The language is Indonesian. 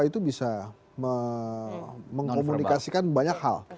itu bisa mengkomunikasikan banyak hal